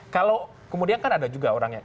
kalau kemudian kan ada juga orangnya